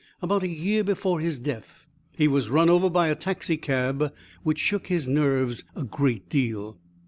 About a year before his death he was run over by a taxicab, which shook his nerves a great deal.